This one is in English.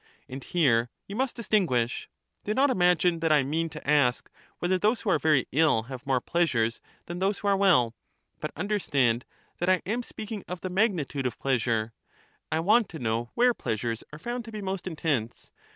And here you must distinguish :— do not imagine that I mean to ask whether those who are very ill have more pleasures than those who are well, but understand that I am speaking of the magnitude of pleasure ; I want to know where pleasures are found to be most intense.